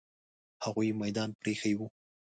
هغوی میدان پرې ایښی وو.